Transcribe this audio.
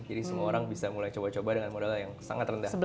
jadi semua orang bisa mulai coba coba dengan modal yang sangat rendah